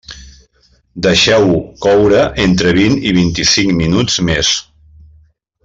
Deixeu-ho coure entre vint i vint-i-cinc minuts més.